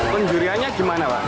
penjuriannya gimana pak